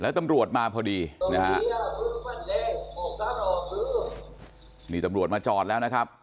ตำรวจมาพอดีนะฮะนี่ตำรวจมาจอดแล้วนะครับ